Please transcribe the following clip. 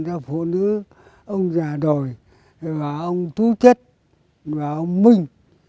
là phụ nữ ông già đồi và ông tú chất và ông minh